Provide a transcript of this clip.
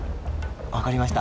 わかりました。